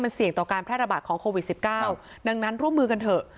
มันเสี่ยงต่อการแพร่ระบาดของโควิดสิบเก้าครับดังนั้นร่วมมือกันเถอะ